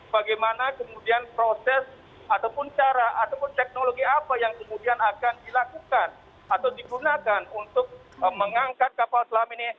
bagaimana kemudian proses ataupun cara ataupun teknologi apa yang kemudian akan dilakukan atau digunakan untuk mengangkat kapal selam ini